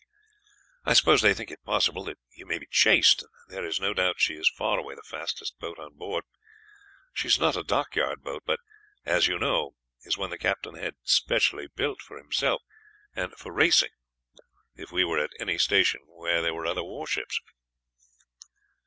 "I suppose they think it possible that you may be chased, and there is no doubt she is far away the fastest boat on board. She is not a dockyard boat, but, as you know, is one the captain had specially built for himself, and for racing if we were at any station where there were other warships."